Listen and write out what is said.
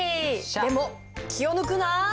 でも気を抜くな！